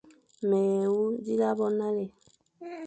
Mé wu dia bo nale,